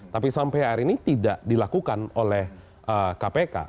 tapi sampai hari ini tidak dilakukan oleh kpk